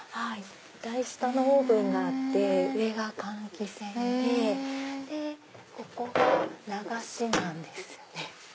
台下にオーブンがあって上が換気扇でここが流しなんですね。